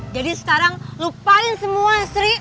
jadi sekarang lupain semua sri